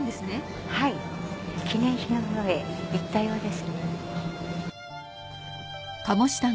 はい記念碑の方へ行ったようです。